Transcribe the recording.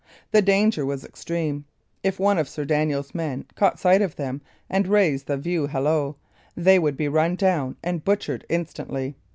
The danger was extreme. If one of Sir Daniel's men caught sight of them and raised the view hallo, they would be run down and butchered instantly.